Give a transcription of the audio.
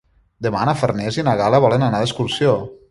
Demà na Farners i na Gal·la volen anar d'excursió.